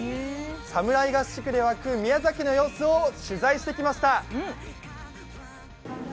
侍合宿で沸く、宮崎の様子を取材してきました。